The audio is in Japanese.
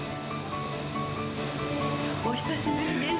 お久しぶりです。